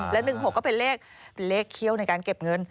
และ๑๖ก็เป็นเลขเขี้ยวในการเก็บเงิน